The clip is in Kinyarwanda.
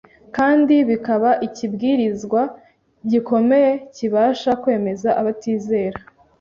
kandi bikaba ikibwirizwa gikomeye kibasha kwemeza abatizera.